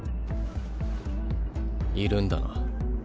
いるんだな？